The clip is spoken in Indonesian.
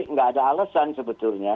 nggak ada alasan sebetulnya